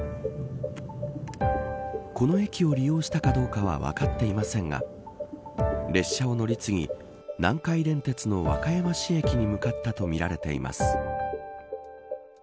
この駅を利用したかどうかは分かっていませんが列車を乗り継ぎ南海電鉄の和歌山市駅に向かったとみられています。